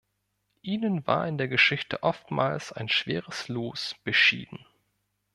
Ihnen war in der Geschichte oftmals ein schweres Los beschieden.